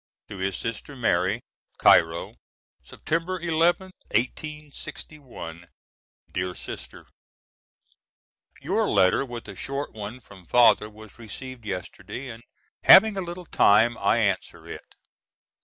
To his sister Mary.] Cairo, September 11th, 1861. DEAR SISTER: Your letter with a short one from Father was received yesterday, and having a little time I answer it.